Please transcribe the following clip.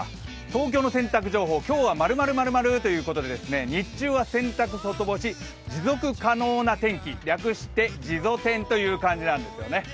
東京の洗濯情報、今日は○○○○、日中は洗濯、外干し持続可能な天気略して「じぞ天」という感じなんですね。